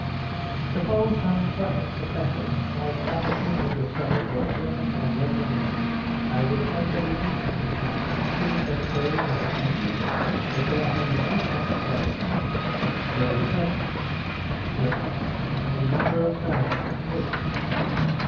Suppose some Prussian professor has opportunely discovered that Germans and lesser men are respectively de scended from two such very different monkeys that they are in no sense brothers, but barely cousins (German) any number of times re moved.